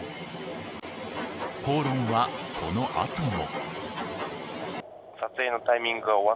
口論はその後も。